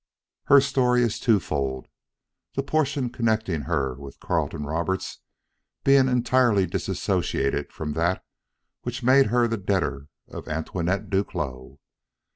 Her story is twofold, the portion connecting her with Carleton Roberts being entirely dissociated from that which made her the debtor of Antoinette Duclos.